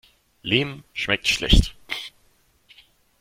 Lehm schmeckt schlecht.